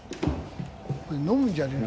飲むんじゃねえの？